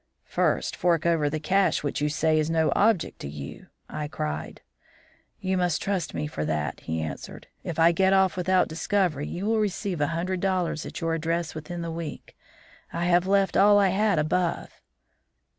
"'First fork over the cash which you say is no object to you!' I cried. "'You must trust me for that,' he answered. 'If I get off without discovery you will receive a hundred dollars at your address within the week. I have left all I had above.'